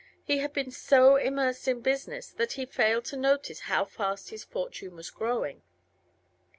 He had been so immersed in business that he failed to notice how fast his fortune was growing.